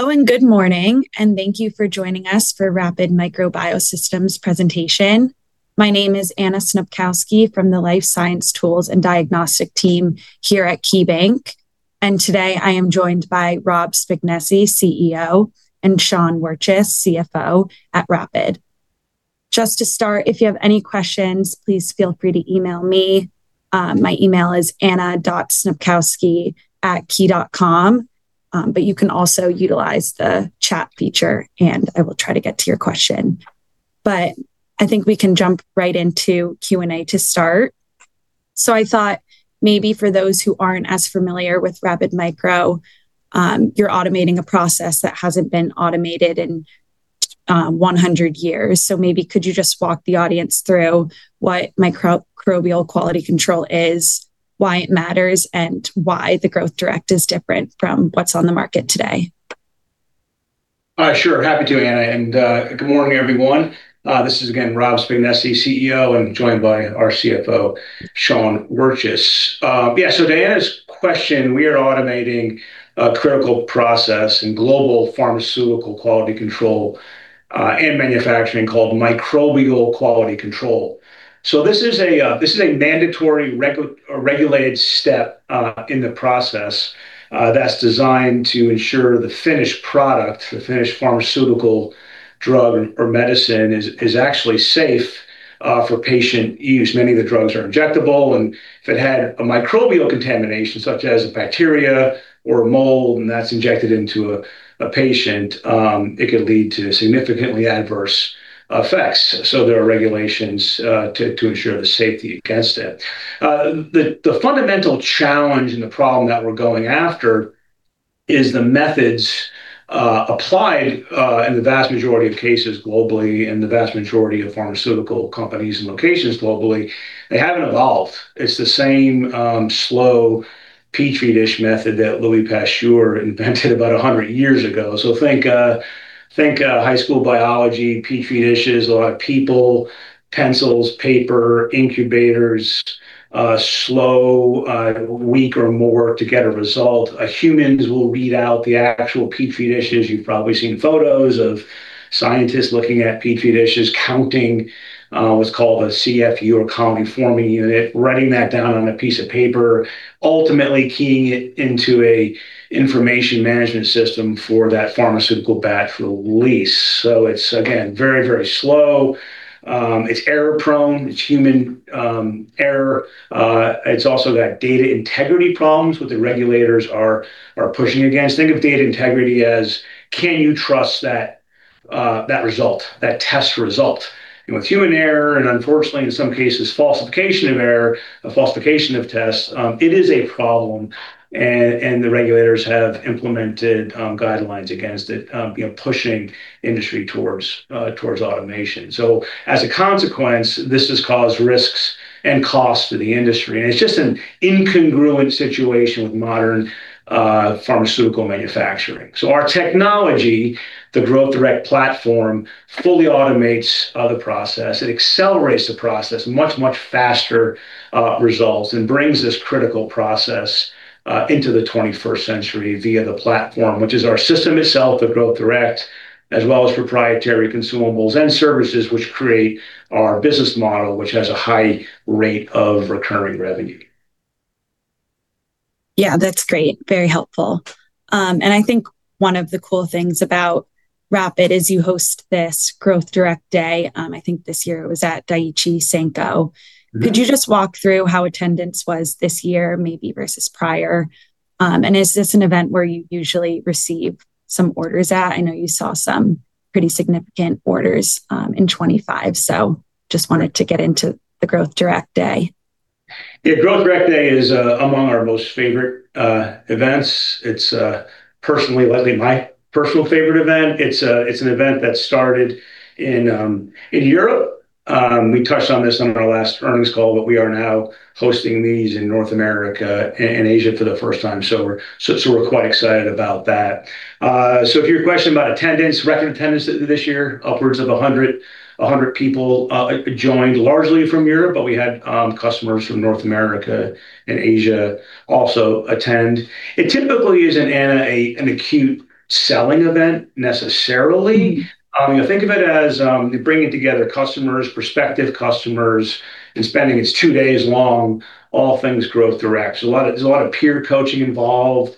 Hello and good morning, and thank you for joining us for Rapid Micro Biosystems presentation. My name is Anna Snopkowski from the Life Science Tools and Diagnostic team here at KeyBanc, and today I am joined by Rob Spignesi, CEO, and Sean Wirtjes, CFO at Rapid. Just to start, if you have any questions, please feel free to email me. My email is anna.snopkowski@key.com. You can also utilize the chat feature, and I will try to get to your question. I think we can jump right into Q&A to start. I thought maybe for those who aren't as familiar with Rapid Micro, you're automating a process that hasn't been automated in 100 years. Maybe could you just walk the audience through what microbial quality control is, why it matters, and why the Growth Direct is different from what's on the market today? Sure. Happy to, Anna. Good morning, everyone. This is again Rob Spignesi, CEO, and joined by our CFO, Sean Wirtjes. To Anna's question, we are automating a critical process in global pharmaceutical quality control and manufacturing called microbial quality control. This is a mandatory regulated step in the process that's designed to ensure the finished product, the finished pharmaceutical drug or medicine is actually safe for patient use. Many of the drugs are injectable, and if it had a microbial contamination, such as a bacteria or a mold, and that's injected into a patient, it could lead to significantly adverse effects. There are regulations to ensure the safety against it. The fundamental challenge and the problem that we're going after is the methods applied in the vast majority of cases globally, in the vast majority of pharmaceutical companies and locations globally, they haven't evolved. It's the same slow Petri dish method that Louis Pasteur invented about 100 years ago. Think high school biology, Petri dishes, a lot of people, pencils, paper, incubators, slow, a week or more to get a result. Humans will read out the actual Petri dishes. You've probably seen photos of scientists looking at Petri dishes, counting what's called a CFU or colony-forming unit, writing that down on a piece of paper, ultimately keying it into an information management system for that pharmaceutical batch release. It's again very, very slow. It's error-prone, it's human error. It's also got data integrity problems, what the regulators are pushing against. Think of data integrity as can you trust that result, that test result. With human error, and unfortunately in some cases, falsification or error, and falsification of tests, it is a problem and the regulators have implemented guidelines against it, you know, pushing industry towards automation. As a consequence, this has caused risks and costs to the industry, and it's just an incongruent situation with modern pharmaceutical manufacturing. Our technology, the Growth Direct platform, fully automates the process. It accelerates the process much, much faster, results, and brings this critical process, into the 21st century via the platform, which is our system itself, the Growth Direct, as well as proprietary consumables and services which create our business model, which has a high rate of recurring revenue. Yeah, that's great. Very helpful. I think one of the cool things about Rapid is you host this Growth Direct Day. I think this year it was at Daiichi Sankyo. Mm-hmm. Could you just walk through how attendance was this year, maybe versus prior? Is this an event where you usually receive some orders at? I know you saw some pretty significant orders in 2025, so just wanted to get into the Growth Direct Day. Yeah. Growth Direct Day is among our most favorite events. It's personally, lately my personal favorite event. It's an event that started in Europe. We touched on this on our last earnings call, but we are now hosting these in North America and Asia for the first time, so we're quite excited about that. So to your question about attendance, record attendance this year, upwards of 100 people joined largely from Europe, but we had customers from North America and Asia also attend. It typically isn't, Anna, an acute selling event necessarily. Mm-hmm. You know, think of it as bringing together customers, prospective customers, it's two days long, all things Growth Direct. A lot of, there's a lot of peer coaching involved,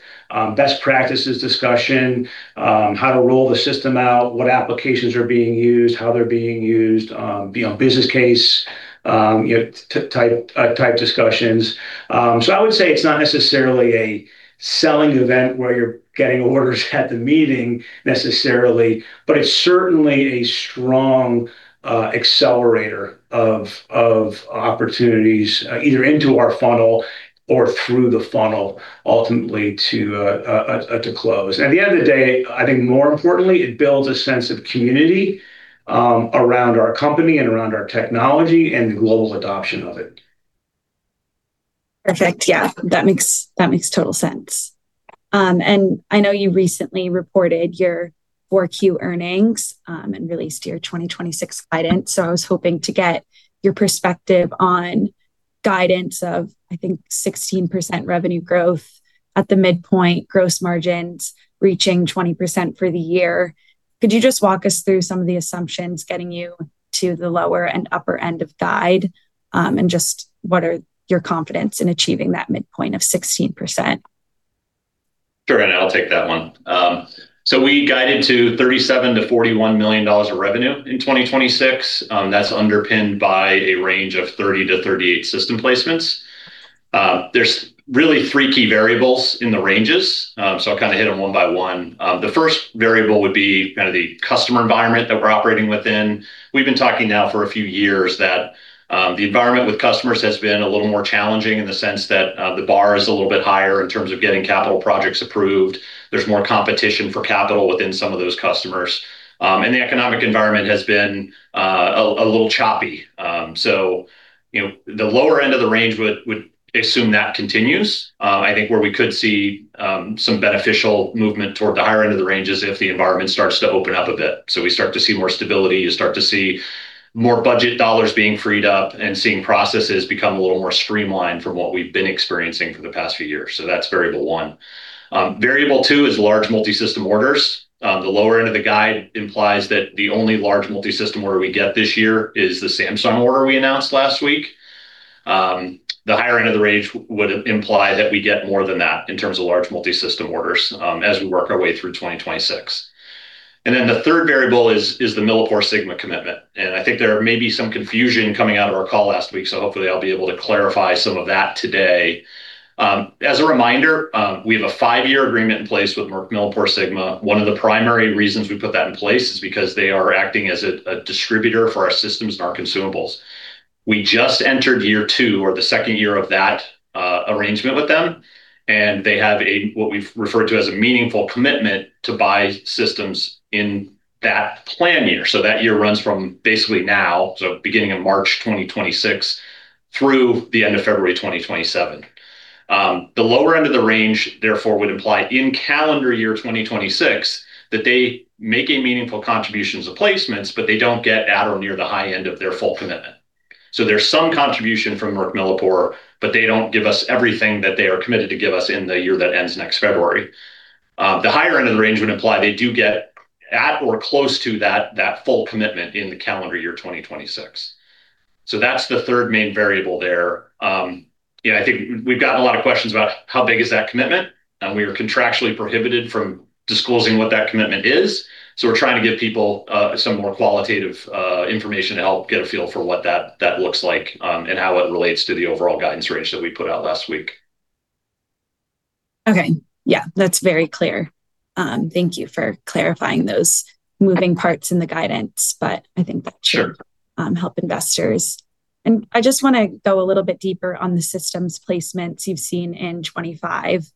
best practices discussion, how to roll the system out, what applications are being used, how they're being used, you know, business case, you know, type discussions. I would say it's not necessarily a selling event where you're getting orders at the meeting necessarily, but it's certainly a strong accelerator of opportunities either into our funnel or through the funnel ultimately to close. At the end of the day, I think more importantly, it builds a sense of community around our company and around our technology and the global adoption of it. Perfect. Yeah. That makes total sense. I know you recently reported your Q4 earnings and released your 2026 guidance, so I was hoping to get your perspective on guidance of, I think, 16% revenue growth at the midpoint, gross margins reaching 20% for the year. Could you just walk us through some of the assumptions getting you to the lower and upper end of guide, and just what are your confidence in achieving that midpoint of 16%? Sure, Anna, I'll take that one. We guided to $37 million-$41 million of revenue in 2026, that's underpinned by a range of 30-38 system placements. There's really three key variables in the ranges, I'll kind of hit them one by one. The first variable would be kind of the customer environment that we're operating within. We've been talking now for a few years that the environment with customers has been a little more challenging in the sense that the bar is a little bit higher in terms of getting capital projects approved. There's more competition for capital within some of those customers. And the economic environment has been a little choppy. You know, the lower end of the range would assume that continues. I think where we could see some beneficial movement toward the higher end of the range is if the environment starts to open up a bit. We start to see more stability, you start to see more budget dollars being freed up and seeing processes become a little more streamlined from what we've been experiencing for the past few years. That's variable one. Variable two is large multi-system orders. The lower end of the guide implies that the only large multi-system order we get this year is the Samsung order we announced last week. The higher end of the range would imply that we get more than that in terms of large multi-system orders, as we work our way through 2026. The third variable is the MilliporeSigma commitment, and I think there may be some confusion coming out of our call last week, so hopefully I'll be able to clarify some of that today. As a reminder, we have a five-year agreement in place with MilliporeSigma. One of the primary reasons we put that in place is because they are acting as a distributor for our systems and our consumables. We just entered year two, or the second year of that arrangement with them, and they have a what we've referred to as a meaningful commitment to buy systems in that plan year. That year runs from basically now, beginning of March 2026, through the end of February 2027. The lower end of the range therefore would imply in calendar year 2026 that they make a meaningful contribution to placements, but they don't get at or near the high end of their full commitment. There's some contribution from Merck Millipore, but they don't give us everything that they are committed to give us in the year that ends next February. The higher end of the range would imply they do get at or close to that full commitment in the calendar year 2026. That's the third main variable there. You know, I think we've gotten a lot of questions about how big is that commitment. We are contractually prohibited from disclosing what that commitment is. We're trying to give people some more qualitative information to help get a feel for what that looks like, and how it relates to the overall guidance range that we put out last week. Okay. Yeah, that's very clear. Thank you for clarifying those moving parts in the guidance, but I think that should. Sure help investors. I just wanna go a little bit deeper on the systems placements you've seen in 2025.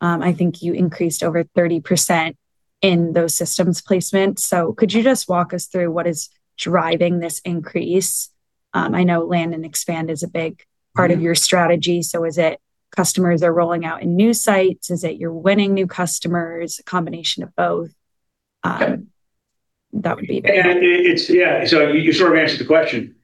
I think you increased over 30% in those systems placements. Could you just walk us through what is driving this increase? I know land and expand is a big part of your strategy. Is it customers are rolling out in new sites? Is it you're winning new customers? A combination of both? Okay That would be very helpful. Yeah, so you sort of answered the question.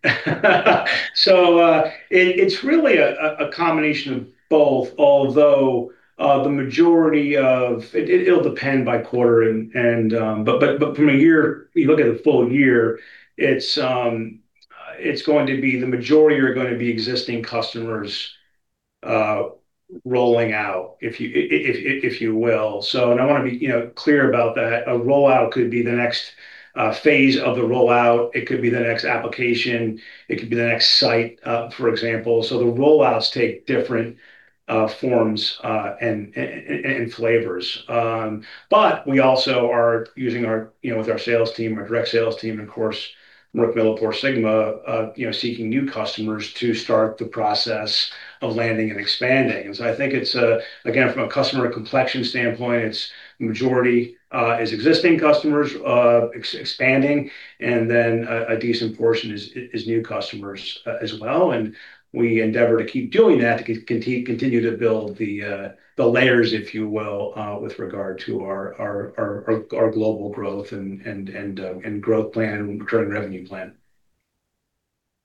It's really a combination of both, although the majority of it will depend by quarter and from a year you look at the full year, it's going to be the majority are gonna be existing customers rolling out, if you will. I wanna be, you know, clear about that. A rollout could be the next phase of the rollout. It could be the next application. It could be the next site, for example. The rollouts take different forms and flavors. We also are using our, you know, with our sales team, our direct sales team, and of course, Merck MilliporeSigma, you know, seeking new customers to start the process of landing and expanding. I think it's, again, from a customer complexion standpoint, it's majority is existing customers expanding, and then a decent portion is new customers as well. We endeavor to keep doing that to continue to build the layers, if you will, with regard to our global growth and growth plan, recurring revenue plan.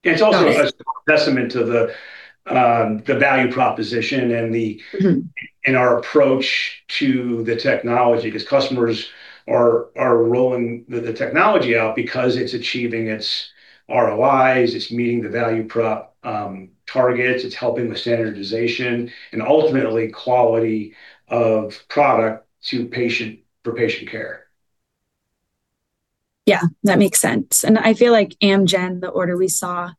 It's also a testament to the value proposition and the Mm-hmm ...our approach to the technology, because customers are rolling the technology out because it's achieving its ROIs, it's meeting the value prop targets, it's helping with standardization and ultimately quality of product to patient for patient care. Yeah, that makes sense. I feel like Amgen, the order we saw,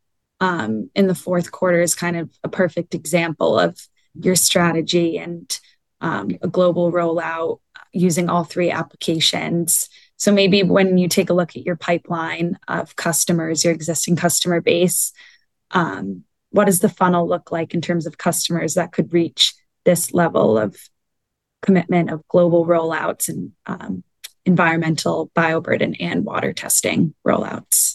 in the fourth quarter is kind of a perfect example of your strategy and, a global rollout using all three applications. Maybe when you take a look at your pipeline of customers, your existing customer base, what does the funnel look like in terms of customers that could reach this level of commitment of global rollouts and, environmental bioburden and water testing rollouts?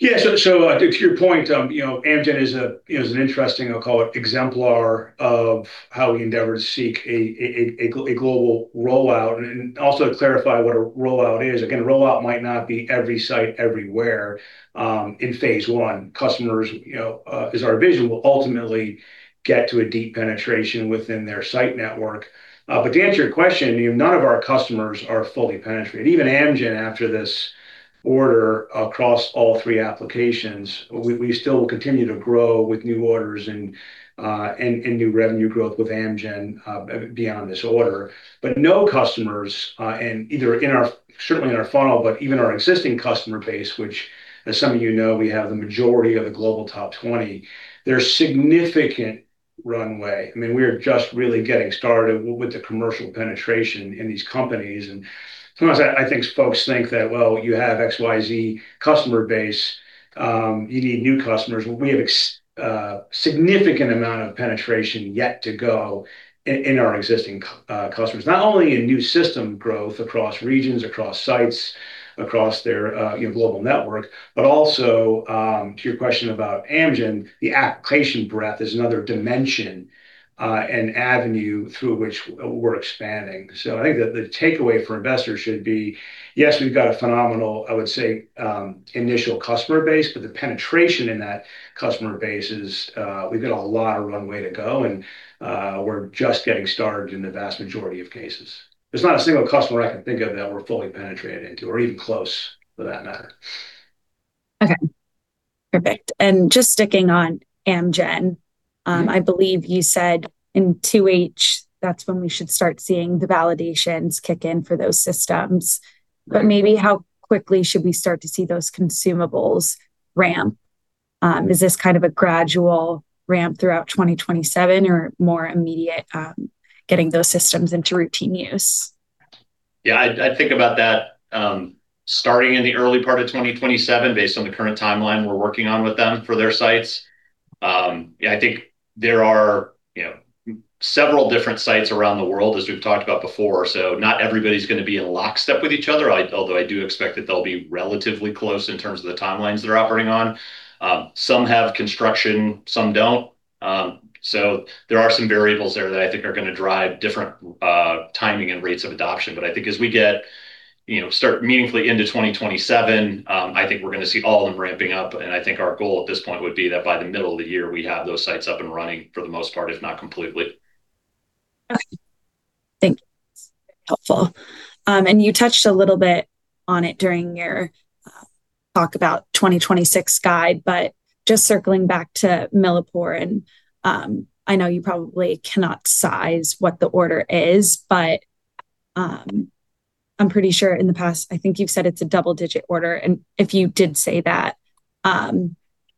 To your point, you know, Amgen is an interesting, I'll call it exemplar of how we endeavor to seek a global rollout and also clarify what a rollout is. Again, a rollout might not be every site everywhere in phase one. Customers, you know, as our vision will ultimately get to a deep penetration within their site network. To answer your question, none of our customers are fully penetrated. Even Amgen, after this order across all three applications, we still will continue to grow with new orders and new revenue growth with Amgen beyond this order. New customers and either in our funnel, but even our existing customer base, which as some of you know, we have the majority of the global top 20, there's significant runway. I mean, we are just really getting started with the commercial penetration in these companies. Sometimes I think folks think that, well, you have X, Y, Z customer base, you need new customers. Well, we have significant amount of penetration yet to go in our existing customers. Not only in new system growth across regions, across sites, across their you know, global network, but also, to your question about Amgen, the application breadth is another dimension and avenue through which we're expanding. I think that the takeaway for investors should be, yes, we've got a phenomenal, I would say, initial customer base, but the penetration in that customer base is, we've got a lot of runway to go and, we're just getting started in the vast majority of cases. There's not a single customer I can think of that we're fully penetrated into or even close for that matter. Okay. Perfect. Just sticking on Amgen. Mm-hmm. I believe you said in 2H, that's when we should start seeing the validations kick in for those systems. Right. Maybe how quickly should we start to see those consumables ramp? Is this kind of a gradual ramp throughout 2027 or more immediate, getting those systems into routine use? Yeah, I think about that starting in the early part of 2027 based on the current timeline we're working on with them for their sites. Yeah, I think there are, you know, several different sites around the world, as we've talked about before. Not everybody's gonna be in lockstep with each other, although I do expect that they'll be relatively close in terms of the timelines they're operating on. Some have construction, some don't. There are some variables there that I think are gonna drive different timing and rates of adoption. I think as we get, you know, start meaningfully into 2027, I think we're gonna see all of them ramping up, and I think our goal at this point would be that by the middle of the year, we have those sites up and running for the most part, if not completely. Okay. Thank you. That's helpful. You touched a little bit on it during your talk about 2026 guide, but just circling back to Millipore. I know you probably cannot size what the order is, but I'm pretty sure in the past, I think you've said it's a double-digit order. If you did say that,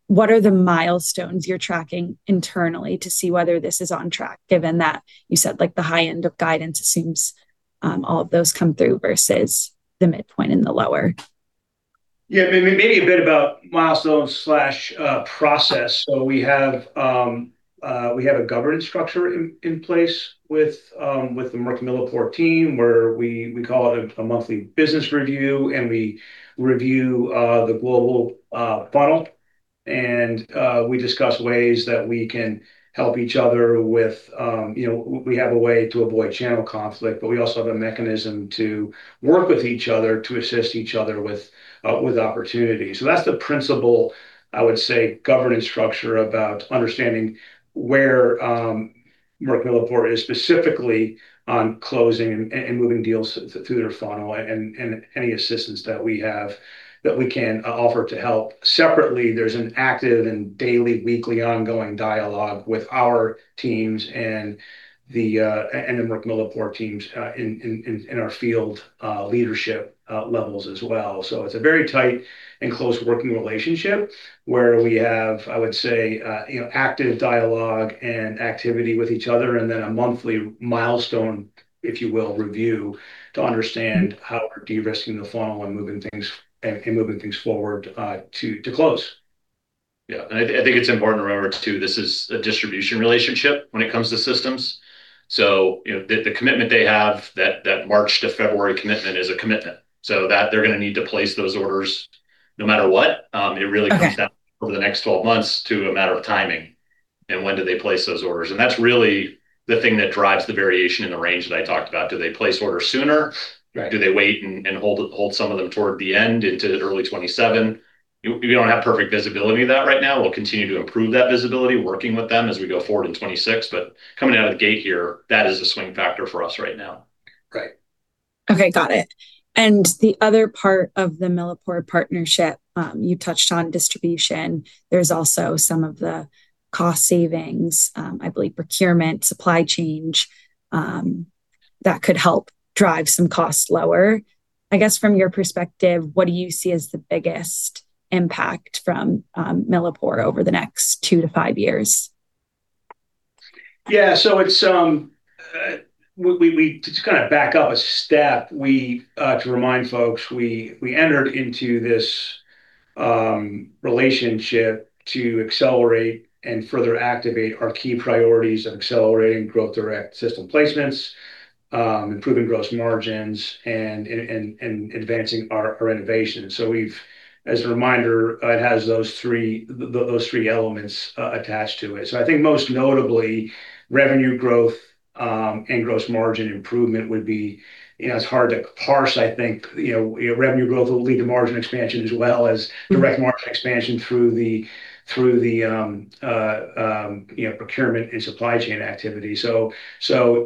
what are the milestones you're tracking internally to see whether this is on track, given that you said, like, the high end of guidance, it seems all of those come through versus the midpoint and the lower? Yeah. Maybe a bit about milestones process. We have a governance structure in place with the Merck Millipore team where we call it a monthly business review, and we review the global funnel. We discuss ways that we can help each other with you know we have a way to avoid channel conflict, but we also have a mechanism to work with each other to assist each other with opportunities. That's the principal, I would say, governance structure about understanding where Merck Millipore is specifically on closing and moving deals through their funnel and any assistance that we have that we can offer to help. Separately, there's an active and daily, weekly ongoing dialogue with our teams and the Merck Millipore teams in our field leadership levels as well. It's a very tight and close working relationship where we have, I would say, you know, active dialogue and activity with each other, and then a monthly milestone, if you will, review to understand how we're de-risking the funnel and moving things forward to close. Yeah. I think it's important to remember too, this is a distribution relationship when it comes to systems. You know, the commitment they have, that March to February commitment is a commitment. That they're gonna need to place those orders no matter what. It really comes Okay. slowdown over the next 12 months to a matter of timing, and when do they place those orders. That's really the thing that drives the variation in the range that I talked about. Do they place orders sooner? Right. Do they wait and hold some of them toward the end into early 2027? We don't have perfect visibility of that right now. We'll continue to improve that visibility, working with them as we go forward in 2026. Coming out of the gate here, that is a swing factor for us right now. Right. Okay, got it. The other part of the Millipore partnership, you touched on distribution. There's also some of the cost savings, I believe procurement, supply chain, that could help drive some costs lower. I guess from your perspective, what do you see as the biggest impact from Millipore over the next 2-5 years? To just kinda back up a step, to remind folks, we entered into this relationship to accelerate and further activate our key priorities of accelerating Growth Direct system placements. Improving gross margins and advancing our innovation. As a reminder, it has those three elements attached to it. I think most notably revenue growth and gross margin improvement would be, you know, it's hard to parse. I think, you know, revenue growth will lead to margin expansion as well as direct margin expansion through the procurement and supply chain activity.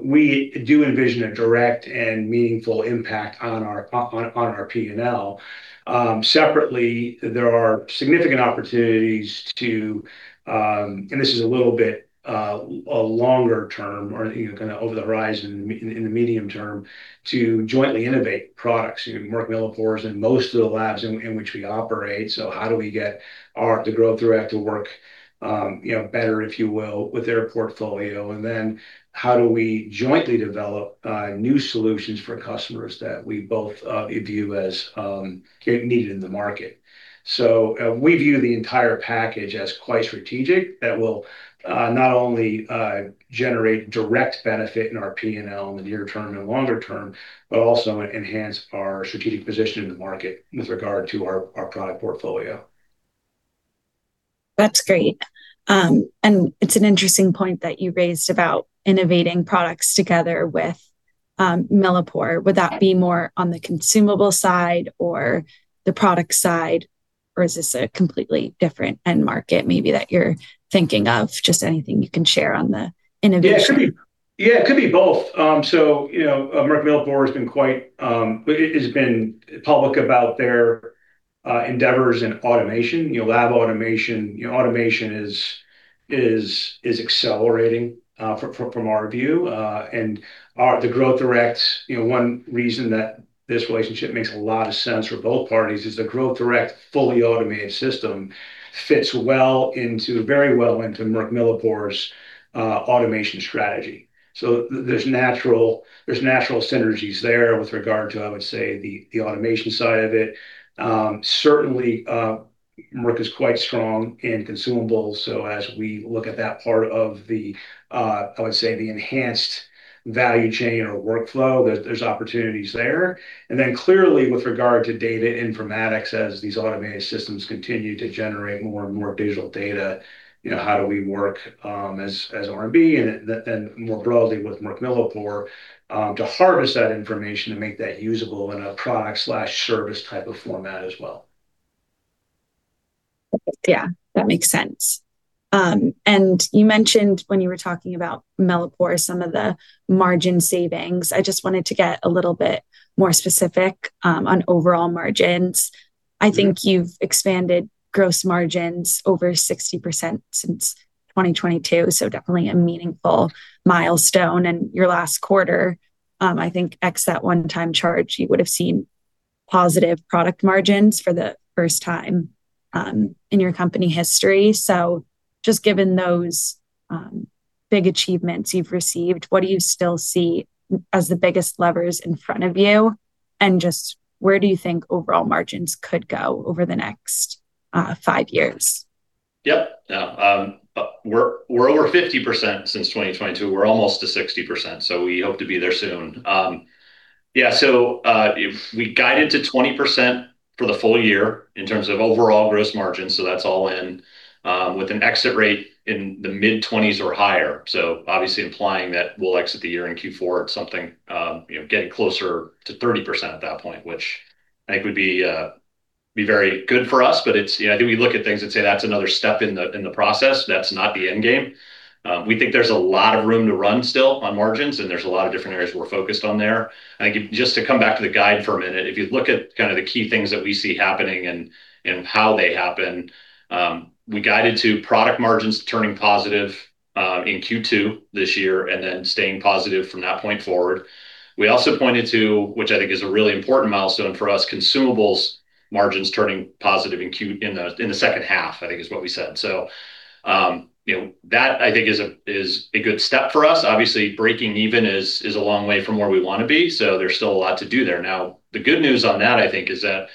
We do envision a direct and meaningful impact on our P&L. Separately, there are significant opportunities, and this is a little bit a longer term or, you know, kind of over the horizon in the medium term, to jointly innovate products. [Merck MilliporeSigma] in most of the labs in which we operate. How do we get [RMB to grow through work] you know better if you will with their portfolio? How do we jointly develop new solutions for customers that we both view as needed in the market. We view the entire package as quite strategic. That will not only generate direct benefit in our P&L in the near term and longer term but also enhance our strategic position in the market with regard to our product portfolio. That's great. It's an interesting point that you raised about innovating products together with Millipore. Would that be more on the consumable side or the product side, or is this a completely different end market maybe that you're thinking of? Just anything you can share on the innovation. Yeah, it could be both. You know, Merck Millipore has been quite public about their endeavors in automation. You know, lab automation, you know, automation is accelerating from our view. The Growth Direct, you know, one reason that this relationship makes a lot of sense for both parties is the Growth Direct, fully automated system fits very well into Merck Millipore's automation strategy. There's natural synergies there with regard to, I would say, the automation side of it. Certainly, Merck is quite strong in consumables, so as we look at that part of the, I would say, the enhanced value chain or workflow, there's opportunities there. Clearly with regard to data informatics, as these automated systems continue to generate more and more digital data, you know, how do we work as RMB and then more broadly with Merck Millipore to harvest that information to make that usable in a product/service type of format as well. Yeah, that makes sense. You mentioned when you were talking about Millipore some of the margin savings. I just wanted to get a little bit more specific on overall margins. I think you've expanded gross margins over 60% since 2022, so definitely a meaningful milestone. In your last quarter, I think ex that one-time charge, you would have seen positive product margins for the first time in your company history. Just given those big achievements you've received, what do you still see as the biggest levers in front of you? Just where do you think overall margins could go over the next five years? Yep. No. We're over 50% since 2022. We're almost to 60%, so we hope to be there soon. Yeah. If we guided to 20% for the full year in terms of overall gross margin, that's all in, with an exit rate in the mid-20s% or higher. Obviously implying that we'll exit the year in Q4 at something, you know, getting closer to 30% at that point, which I think would be very good for us. It's. You know, I think we look at things and say that's another step in the process. That's not the end game. We think there's a lot of room to run still on margins, and there's a lot of different areas we're focused on there. I think just to come back to the guide for a minute, if you look at kind of the key things that we see happening and how they happen, we guided to product margins turning positive in Q2 this year and then staying positive from that point forward. We also pointed to, which I think is a really important milestone for us, consumables margins turning positive in the second half, I think is what we said. You know, that I think is a good step for us. Obviously, breaking even is a long way from where we want to be, so there's still a lot to do there. Now, the good news on that, I think, is that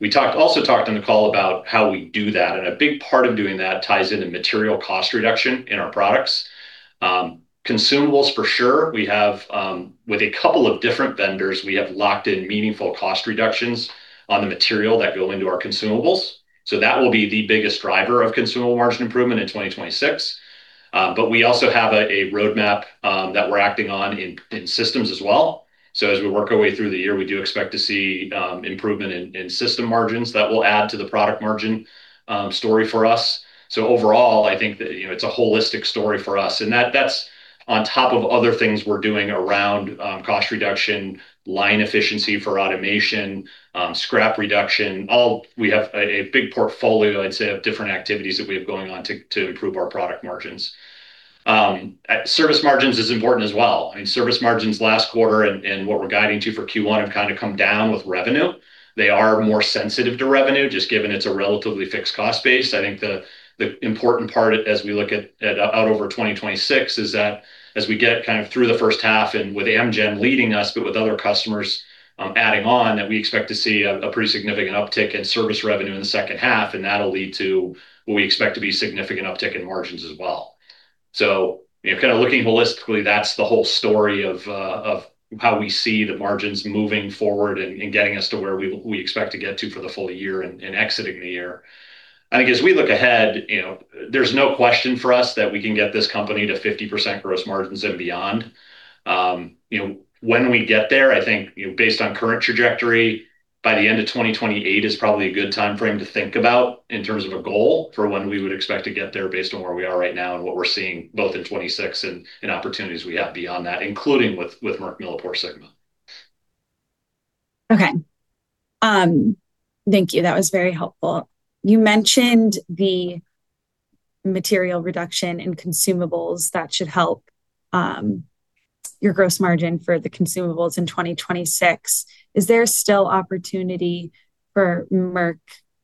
we talked, also talked on the call about how we do that, and a big part of doing that ties into material cost reduction in our products. Consumables for sure. We have, with a couple of different vendors, we have locked in meaningful cost reductions on the material that go into our consumables. That will be the biggest driver of consumable margin improvement in 2026. We also have a roadmap that we're acting on in systems as well. As we work our way through the year, we do expect to see improvement in system margins that will add to the product margin story for us. Overall, I think that, you know, it's a holistic story for us, and that's on top of other things we're doing around cost reduction, line efficiency for automation, scrap reduction. We have a big portfolio, I'd say, of different activities that we have going on to improve our product margins. Service margins is important as well. I mean, service margins last quarter and what we're guiding to for Q1 have kind of come down with revenue. They are more sensitive to revenue, just given it's a relatively fixed cost base. I think the important part as we look out over 2026 is that as we get kind of through the first half and with Amgen leading us, but with other customers adding on, that we expect to see a pretty significant uptick in service revenue in the second half, and that'll lead to what we expect to be significant uptick in margins as well. You know, kind of looking holistically, that's the whole story of how we see the margins moving forward and getting us to where we expect to get to for the full year and exiting the year. I think as we look ahead, you know, there's no question for us that we can get this company to 50% gross margins and beyond. You know, when we get there, I think, you know, based on current trajectory, by the end of 2028 is probably a good timeframe to think about in terms of a goal for when we would expect to get there based on where we are right now and what we're seeing both in 2026 and opportunities we have beyond that, including with Merck MilliporeSigma. Okay. Thank you. That was very helpful. You mentioned the material reduction in consumables that should help your gross margin for the consumables in 2026. Is there still opportunity for Merck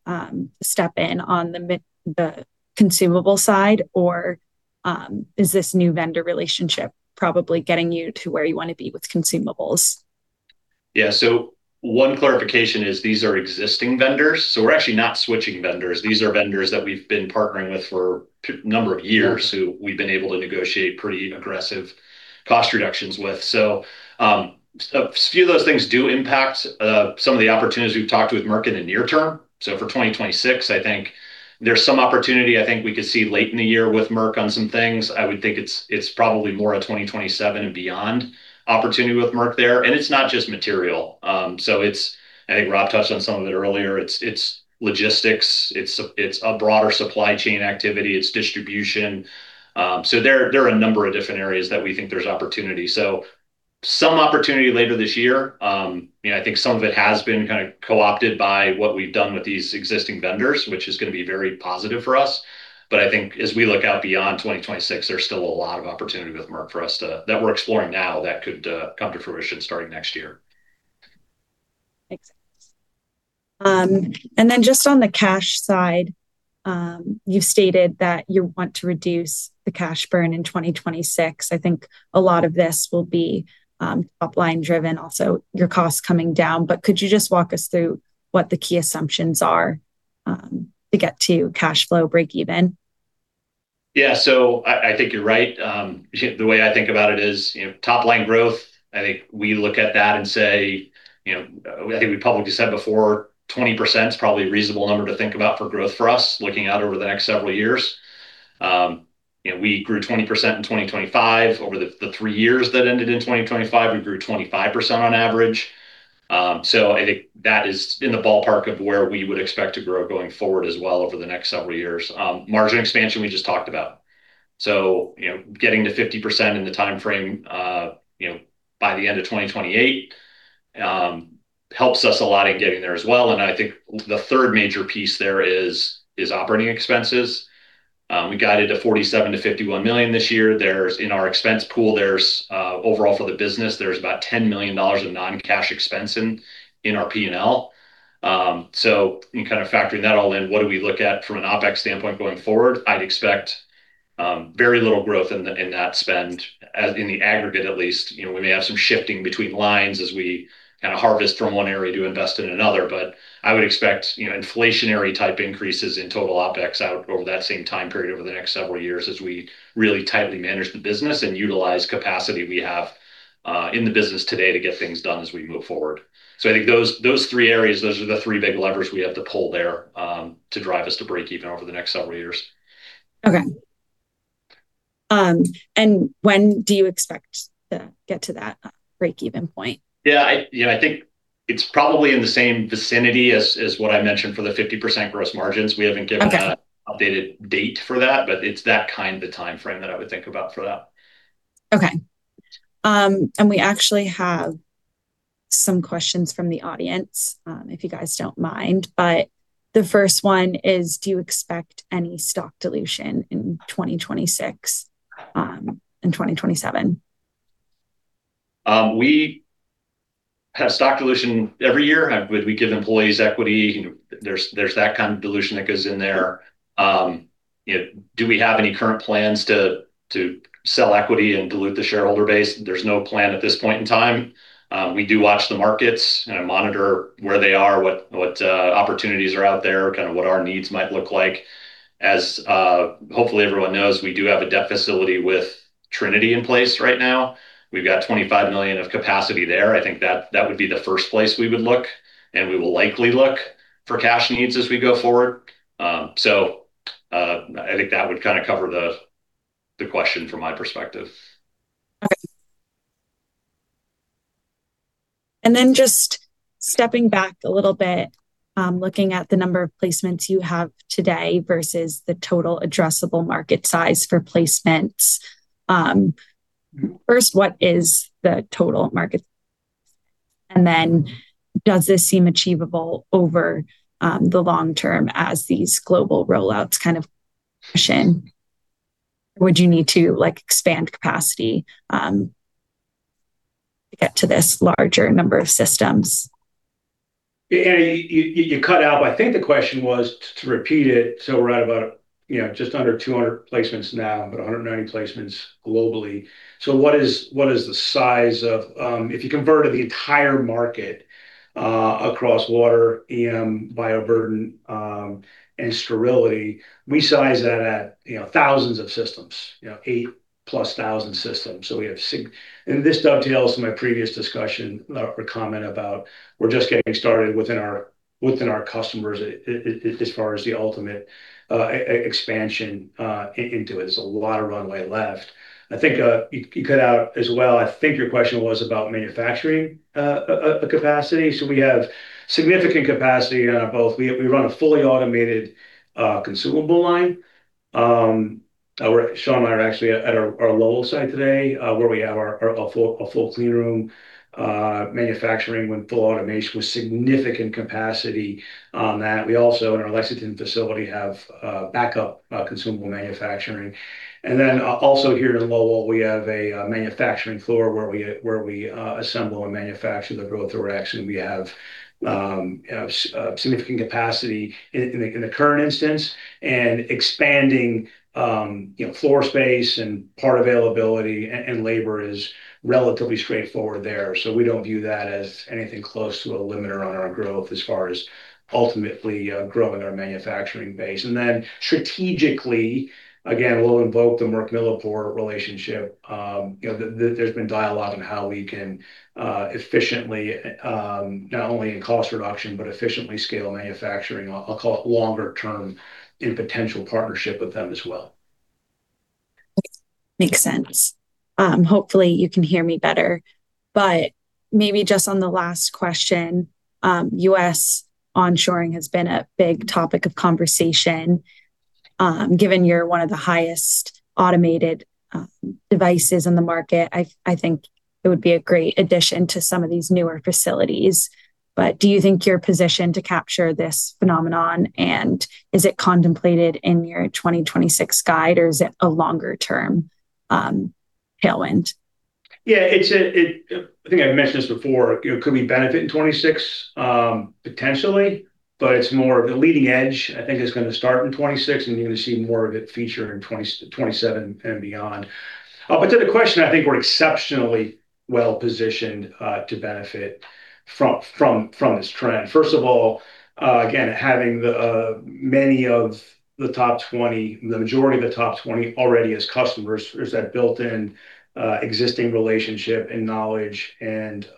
to step in on the consumable side, or is this new vendor relationship probably getting you to where you wanna be with consumables? Yeah. One clarification is these are existing vendors, so we're actually not switching vendors. These are vendors that we've been partnering with for number of years who we've been able to negotiate pretty aggressive cost reductions with. A few of those things do impact some of the opportunities we've talked with Merck in the near term. For 2026, I think there's some opportunity I think we could see late in the year with Merck on some things. I would think it's probably more a 2027 and beyond opportunity with Merck there. It's not just material. I think Rob touched on some of it earlier. It's logistics, it's a broader supply chain activity, it's distribution. There are a number of different areas that we think there's opportunity. Some opportunity later this year. You know, I think some of it has been kinda co-opted by what we've done with these existing vendors, which is gonna be very positive for us. I think as we look out beyond 2026, there's still a lot of opportunity with Merck for us that we're exploring now that could come to fruition starting next year. Makes sense. Just on the cash side, you've stated that you want to reduce the cash burn in 2026. I think a lot of this will be top-line driven, also your costs coming down. Could you just walk us through what the key assumptions are to get to cash flow break even? Yeah. I think you're right. You know, the way I think about it is, you know, top-line growth, I think we look at that and say, you know, I think we publicly said before, 20% is probably a reasonable number to think about for growth for us looking out over the next several years. You know, we grew 20% in 2025. Over the three years that ended in 2025, we grew 25% on average. I think that is in the ballpark of where we would expect to grow going forward as well over the next several years. Margin expansion, we just talked about. You know, getting to 50% in the timeframe, by the end of 2028, helps us a lot in getting there as well. I think the third major piece there is operating expenses. We got it to $47 million-$51 million this year. In our expense pool, there's overall for the business, there's about $10 million of non-cash expense in our P&L. In kind of factoring that all in, what do we look at from an OpEx standpoint going forward? I'd expect very little growth in that spend as in the aggregate at least. You know, we may have some shifting between lines as we kinda harvest from one area to invest in another. I would expect, you know, inflationary type increases in total OpEx out over that same time period over the next several years as we really tightly manage the business and utilize capacity we have in the business today to get things done as we move forward. I think those three areas are the three big levers we have to pull there to drive us to break even over the next several years. Okay, when do you expect to get to that break-even point? Yeah, you know, I think it's probably in the same vicinity as what I mentioned for the 50% gross margins. Okay. We haven't given an updated date for that, but it's that kind of timeframe that I would think about for that. Okay. We actually have some questions from the audience, if you guys don't mind. The first one is, do you expect any stock dilution in 2026 and 2027? We have stock dilution every year. We give employees equity. You know, there's that kind of dilution that goes in there. You know, do we have any current plans to sell equity and dilute the shareholder base? There's no plan at this point in time. We do watch the markets and monitor where they are, what opportunities are out there, kind of what our needs might look like. Hopefully everyone knows, we do have a debt facility with Trinity Capital in place right now. We've got $25 million of capacity there. I think that would be the first place we would look, and we will likely look for cash needs as we go forward. I think that would kinda cover the question from my perspective. Okay. Just stepping back a little bit, looking at the number of placements you have today versus the total addressable market size for placements. First, what is the total market? Does this seem achievable over the long term as these global rollouts kind of push in? Would you need to, like, expand capacity to get to this larger number of systems? Yeah, you cut out, but I think the question was to repeat it, so we're at about, you know, just under 200 placements now, about 190 placements globally. What is the size of, if you converted the entire market across water, EM, bioburden, and sterility, we size that at, you know, thousands of systems. You know, 8,000+ systems. This dovetails to my previous discussion or comment about we're just getting started within our customers as far as the ultimate expansion into it. There's a lot of runway left. I think you cut out as well. I think your question was about manufacturing capacity. We have significant capacity on both. We run a fully automated consumable line. Sean and I are actually at our Lowell site today, where we have a full clean room manufacturing with full automation with significant capacity on that. We also, in our Lexington facility, have backup consumable manufacturing. Also here in Lowell, we have a manufacturing floor where we assemble and manufacture the Growth Direct, and we have significant capacity in the current instance. Expanding, you know, floor space and part availability and labor is relatively straightforward there, so we don't view that as anything close to a limiter on our growth as far as ultimately growing our manufacturing base. Strategically, again, we'll invoke the Merck Millipore relationship. You know, there's been dialogue on how we can efficiently not only in cost reduction, but efficiently scale manufacturing. I'll call it longer term in potential partnership with them as well. Makes sense. Hopefully you can hear me better. Maybe just on the last question, U.S. onshoring has been a big topic of conversation. Given you're one of the highest automated devices in the market, I think it would be a great addition to some of these newer facilities. Do you think you're positioned to capture this phenomenon, and is it contemplated in your 2026 guide or is it a longer-term tailwind? Yeah. I think I've mentioned this before. You know, could we benefit in 2026? Potentially, but it's more of a leading edge. I think it's gonna start in 2026, and you're gonna see more of it featured in 2027 and beyond. To the question, I think we're exceptionally well-positioned to benefit from this trend. First of all, again, having many of the top 20, the majority of the top 20 already as customers, there's that built-in existing relationship and knowledge and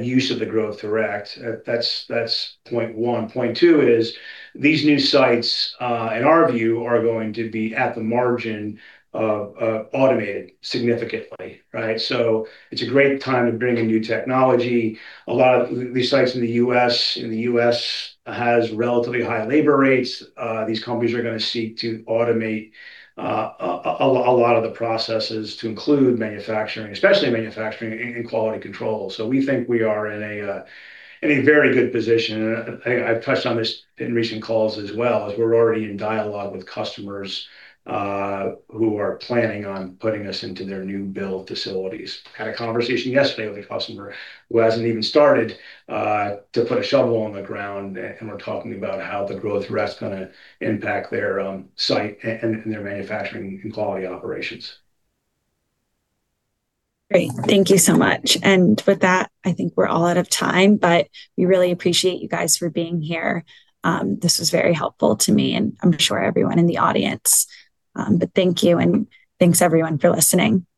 use of the Growth Direct. That's point one. Point two is these new sites, in our view, are going to be at the margin of automated significantly, right? It's a great time to bring in new technology. A lot of these sites in the U.S., and the U.S. has relatively high labor rates. These companies are gonna seek to automate a lot of the processes to include manufacturing, especially manufacturing and quality control. We think we are in a very good position. I've touched on this in recent calls as well, is we're already in dialogue with customers who are planning on putting us into their new build facilities. Had a conversation yesterday with a customer who hasn't even started to put a shovel in the ground, and we're talking about how the Growth Direct's gonna impact their site and their manufacturing and quality operations. Great. Thank you so much. With that, I think we're all out of time, but we really appreciate you guys for being here. This was very helpful to me, and I'm sure everyone in the audience. Thank you, and thanks everyone for listening. Thank you.